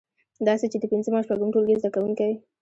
داسې چې د پنځم او شپږم ټولګي زده کوونکی